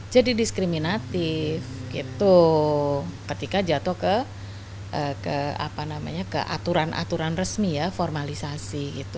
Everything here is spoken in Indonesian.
jadi diskriminatif gitu ketika jatuh ke ke apa namanya ke aturan aturan resmi ya formalisasi gitu